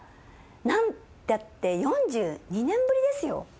何たって４２年ぶりですよ。